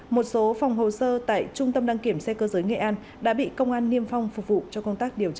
một số phòng hồ sơ tại trung tâm đăng kiểm xe cơ giới nghệ an đã bị công an niêm phong phục vụ cho công tác điều tra